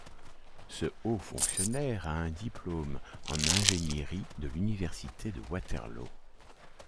Ce haut fonctionnaire a un diplôme en ingénierie de l'Université de Waterloo.